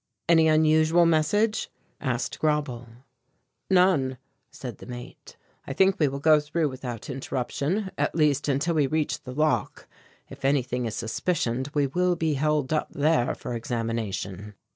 "Any unusual message?" asked Grauble. "None," said the mate. "I think we will go through without interruption at least until we reach the lock; if anything is suspicioned we will be held up there for examination."